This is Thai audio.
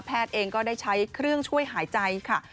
เองก็ได้ใช้เครื่องช่วยหายใจค่ะ